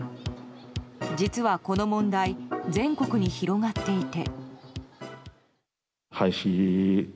実は、この問題全国に広がっていて。